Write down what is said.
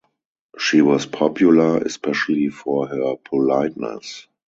She was popular, especially for her politeness.